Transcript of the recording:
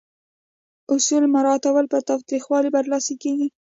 اصول مراعاتول پر تاوتریخوالي برلاسي کیږي.